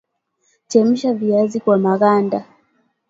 chemsha viazi kwa maganda